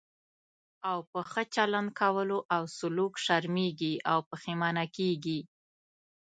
او په ښه چلند کولو او سلوک شرمېږي او پښېمانه کېږي.